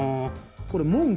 これ門か。